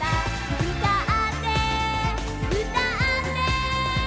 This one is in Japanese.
「うたってうたって」